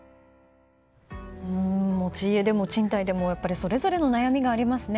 持ち家でも賃貸でもそれぞれの悩みがありますね。